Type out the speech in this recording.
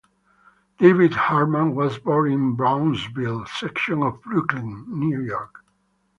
David Hartman was born in the Brownsville section of Brooklyn, New York.